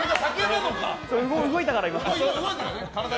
動いたから、今。